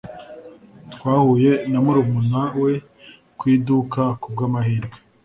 Twahuye na murumuna we ku iduka ku bw'amahirwe.